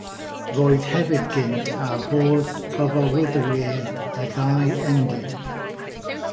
Roedd hefyd gynt ar Fwrdd Cyfarwyddwyr y ddau endid.